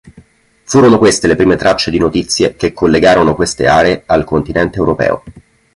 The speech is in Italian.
Furono queste le prime tracce di notizie che collegarono queste aree al continente europeo.